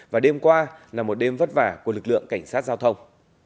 và đêm qua là một đêm vất vả của lực lượng cảnh sát giao thông